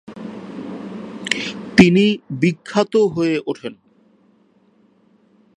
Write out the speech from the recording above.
তিনি বিখ্যাত হয়ে ওঠেন।